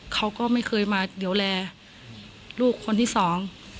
เขาก็ไม่เคยมาดูแลลูกคนที่สอง